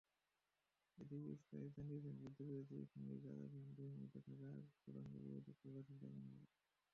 এদিকে ইসরায়েল জানিয়েছে, যুদ্ধবিরতির সময়ও গাজায় সন্দেহের মধ্যে থাকা সুড়ঙ্গগুলোতে তল্লাশি চালানো হবে।